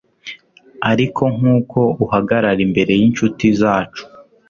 ariko nkuko uhagarara imbere yinshuti zacu